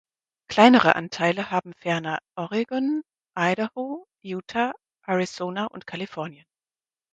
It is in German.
Kleinere Anteile haben ferner Oregon, Idaho, Utah, Arizona und Kalifornien.